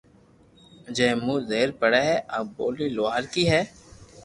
جي مون زبر پڙي ھي آ ٻولي لوھارڪي ھي